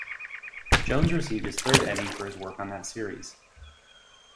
Jones received his third Emmy for his work on that series.